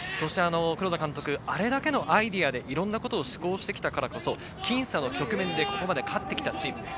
黒田監督、あれだけのアイデアでいろんなことを試行錯誤してきたからこそ、僅差な局面でここまで勝ってきたチーム。